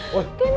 có ai không